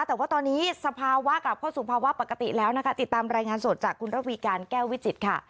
แต่ว่าตอนนี้สภาวะกลับเข้าสู่ภาวะปกติแล้วนะคะติดตามรายงานสดจากคุณระวีการแก้ววิจิตรค่ะ